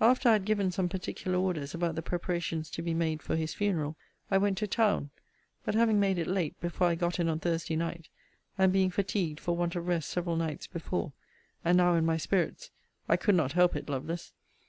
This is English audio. After I had given some particular orders about the preparations to be made for his funeral, I went to town; but having made it late before I got in on Thursday night, and being fatigued for want of rest several nights before, and now in my spirits, [I could not help it, Lovelace!